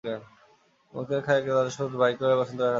মুক্তিয়ার খাঁ এক আদেশপত্র বাহির করিয়া বসন্ত রায়ের হাতে দিল।